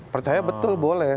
percaya betul boleh